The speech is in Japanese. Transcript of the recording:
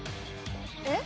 えっ？